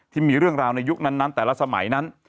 ที่มีเรื่องราวในยุคนั้นแต่ละสมัยนั้น